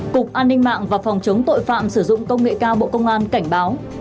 cục an ninh mạng và phòng chống tội phạm sử dụng công nghệ cao bộ công an cảnh báo